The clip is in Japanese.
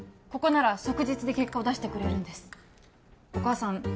ここなら即日で結果を出してくれるんですお母さん